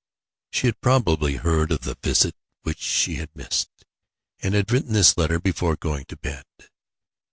She had probably heard of the visit which she had missed, and had written this letter before going to bed.